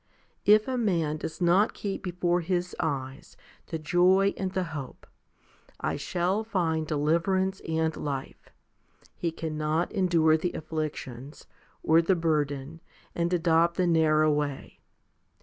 If a man does not keep before his eyes the joy and the hope, " I shall find deliverance and life," he cannot endure the afflictions, or the burden, and adopt the narrow way.